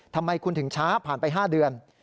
ทำไมคุณถึงช้าผ่านไป๕เดือน